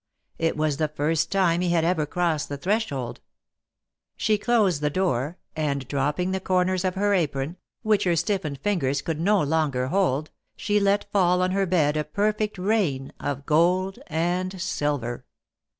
It w^ the first time he had ever crossed the threshold. She closed the door, and dropping the corners of her apron, which her stiffened fingers could no longer hold, she let fall on her bed a perfect rain of gold and silver.